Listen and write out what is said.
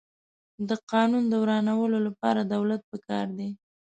د قانون د ورانولو لپاره دولت پکار دی.